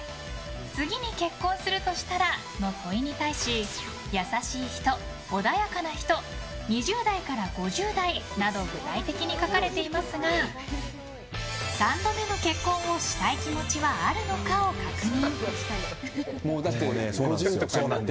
次に結婚するとしたらという問いに対し優しい人、穏やかな人２０代から５０代など具体的に書かれていますが３度目の結婚をしたい気持ちはあるのかを確認。